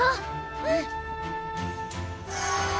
うん！